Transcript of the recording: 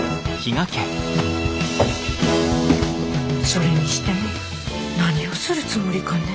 それにしても何をするつもりかね？